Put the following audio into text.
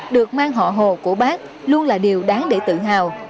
được mang họ hồ của bác luôn là điều đáng để tự hào